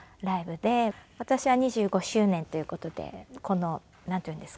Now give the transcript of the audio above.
私は２５周年という事でこのなんというんですか。